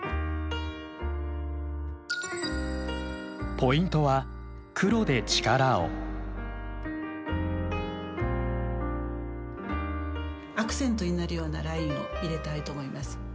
ポイントはアクセントになるようなラインを入れたいと思います。